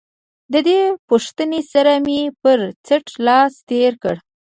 دې پوښتنې سره مې پر څټ لاس تېر کړ.